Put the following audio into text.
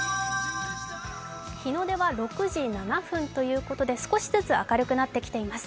日の出は６時７分ということで少しずつ明るくなってきています。